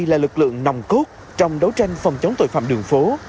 là lực lượng nòng cốt trong đấu tranh phòng chống tội phạm đường phố